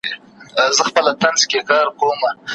زه خواړه سم مزه داره ته مي خوند نه سې څکلای